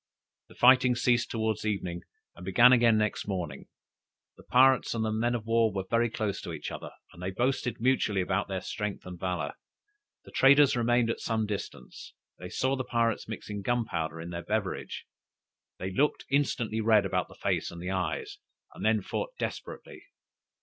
The fighting ceased towards evening, and began again next morning. The pirates and the men of war were very close to each other, and they boasted mutually about their strength and valor. The traders remained at some distance; they saw the pirates mixing gunpowder in their beverage, they looked instantly red about the face and the eyes, and then fought desperately.